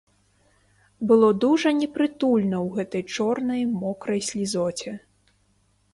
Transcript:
Было дужа непрытульна ў гэтай чорнай мокрай слізоце.